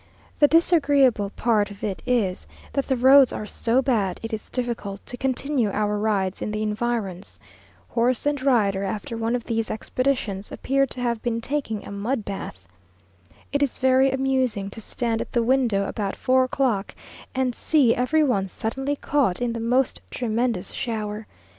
The disagreeable part of it is, that the roads are so bad, it is difficult to continue our rides in the environs. Horse and rider, after one of these expeditions, appear to have been taking a mud bath. It is very amusing to stand at the window about four o'clock, and see every one suddenly caught in the most tremendous shower.